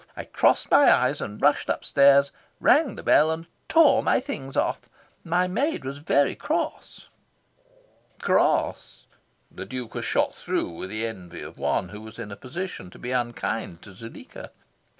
I covered my eyes and rushed upstairs, rang the bell and tore my things off. My maid was very cross." Cross! The Duke was shot through with envy of one who was in a position to be unkind to Zuleika.